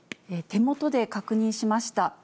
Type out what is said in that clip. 手元で確認しました。